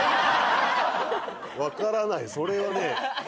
わからないそれはね。